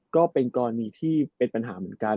ก็เป็นกรณีที่เป็นปัญหาเหมือนกัน